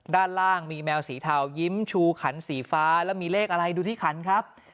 ด้านล่างมีแมวสีเทายิ้มชูขันสีฟ้าแล้วมีเลขอะไรดูที่ขันครับ